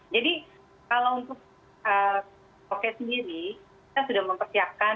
jadi kalau untuk karaoke sendiri kita sudah mempersiapkan